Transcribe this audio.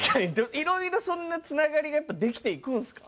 いろいろそんなつながりがやっぱできていくんですか？